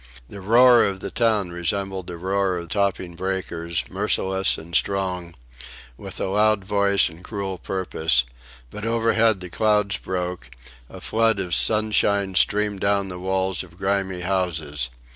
The roar of the town resembled the roar of topping breakers, merciless and strong, with a loud voice and cruel purpose; but overhead the clouds broke; a flood of sunshine streamed down the walls of grimy houses.